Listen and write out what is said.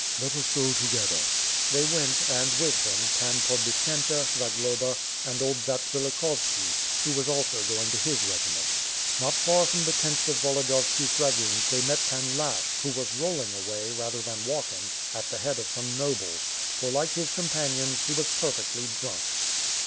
"Let us go together." They went and, with them, Pan Podbipyenta, Zagloba and old Zatsvilikhovski, who was also going to his regiment. Not far from the tents of Volodiyovski's dragoons they met Pan Lashch who was rolling along, rather than walking, at the head of some nobles; for, like his companions, he was perfectly drunk.